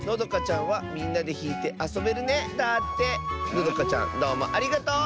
のどかちゃんどうもありがとう！